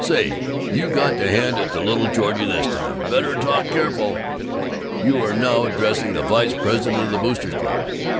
Say, you got to hand it to little Georgie, this time! Better talk careful! You are now addressing the vice president of the Boosters' Club!"